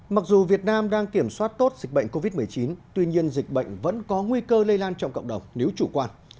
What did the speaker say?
mặc dù việt nam đang kiểm soát tốt dịch bệnh covid một mươi chín tuy nhiên dịch bệnh vẫn có nguy cơ lây lan trong cộng đồng nếu chủ quan